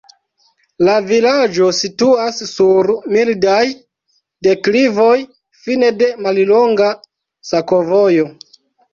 La vilaĝo situas sur mildaj deklivoj, fine de mallonga sakovojo.